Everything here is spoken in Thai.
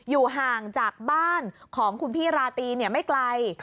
อยู่ห่างจากบ้านของคุณพี่ราตรีไม่ไกล